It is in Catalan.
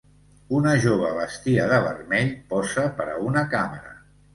Una jove vestida de vermell posa per a una càmera